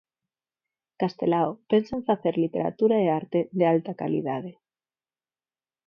Castelao pensa en facer literatura e arte de alta calidade.